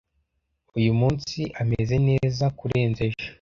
Uyu munsi ameze neza kurenza ejo.